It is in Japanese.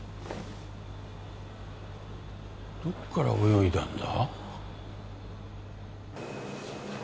どこから泳いだんだ？